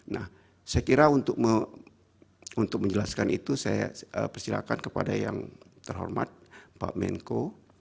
nah saya kira untuk menjelaskan itu saya persilahkan kepada yang terhormat pak menko